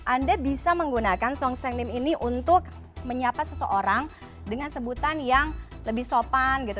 anda bisa menggunakan song sengnim ini untuk menyapa seseorang dengan sebutan yang lebih sopan gitu